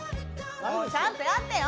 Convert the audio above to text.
もうちゃんとやってよ！